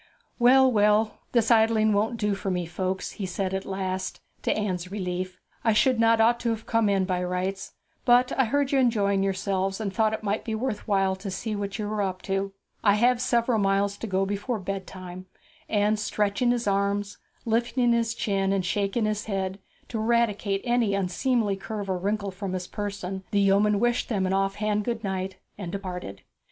'Well, well; this idling won't do for me, folks,' he at last said, to Anne's relief. 'I ought not to have come in, by rights; but I heard you enjoying yourselves, and thought it might be worth while to see what you were up to; I have several miles to go before bedtime;' and stretching his arms, lifting his chin, and shaking his head, to eradicate any unseemly curve or wrinkle from his person, the yeoman wished them an off hand good night, and departed.